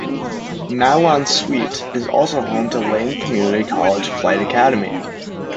Mahlon Sweet is also home to the Lane Community College Flight Academy.